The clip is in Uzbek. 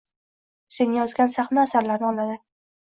Sen yozgan sahna asarlarini oladi.